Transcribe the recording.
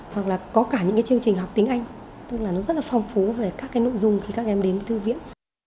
hoặc là có cả những cái chương trình học tiếng anh tức là nó rất là phong phú về các cái nội dung khi các em đến với thư viện